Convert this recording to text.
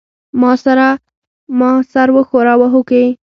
ما سر وښوراوه هوکې.